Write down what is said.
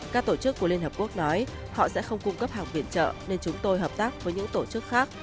các tổ chức của liên hợp quốc nói họ sẽ không cung cấp hàng viện trợ nên chúng tôi hợp tác với những tổ chức khác